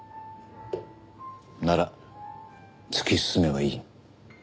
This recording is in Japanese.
なら突き進めばいい。